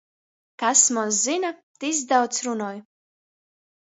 Kas moz zyna, tys daudz runuoj.